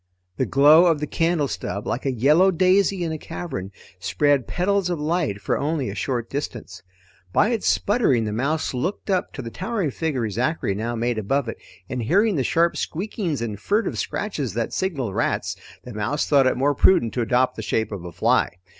The glow of the candle stub, like a yellow daisy in a cavern, spread petals of light for only a short distance. By its sputtering, the mouse looked up to the towering figure Zachary now made above it, and hearing the sharp squeakings and furtive scratches that signaled rats, the mouse thought it more prudent to adopt the shape of a fly.